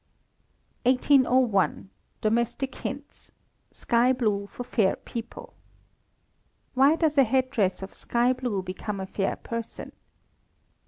1801. Domestic Hints (Sky Blue for Fair People). _Why does a head dress of sky blue become a fair person?